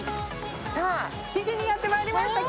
さあ、築地にやってまいりました。